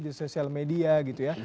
di sosial media gitu ya